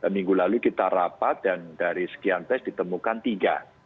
minggu lalu kita rapat dan dari sekian tes ditemukan tiga